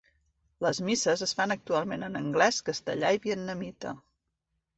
Les misses es fan actualment en anglès, castellà i vietnamita.